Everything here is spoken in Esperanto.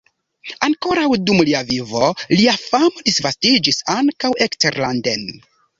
Ankoraŭ dum lia vivo lia famo disvastiĝis ankaŭ eksterlanden.